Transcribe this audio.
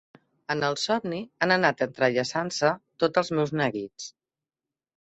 En el somni han anat entrellaçant-se tots els meus neguits.